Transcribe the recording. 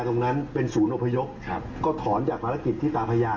ก็ถอนจากภารกิจที่ตาพยา